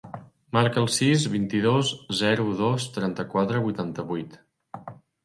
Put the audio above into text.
Marca el sis, vint-i-dos, zero, dos, trenta-quatre, vuitanta-vuit.